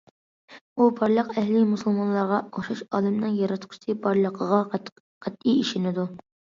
ئۇ، بارلىق ئەھلى مۇسۇلمانلارغا ئوخشاش، ئالەمنىڭ ياراتقۇچىسى بارلىقىغا قەتئىي ئىشىنىدۇ.